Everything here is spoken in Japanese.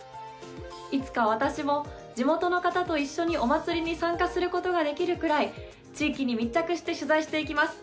いつか私も地元の方と一緒にお祭りに参加することができるくらい地域に密着して取材していきます。